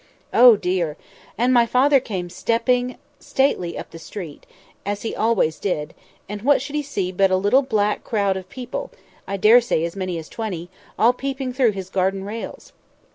Oh dear! and my father came stepping stately up the street, as he always did; and what should he see but a little black crowd of people—I daresay as many as twenty—all peeping through his garden rails.